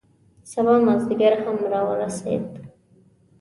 سبا مازدیګر هم را ورسید.